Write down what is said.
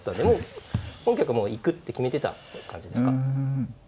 もう本局もう行くって決めてた感じですか。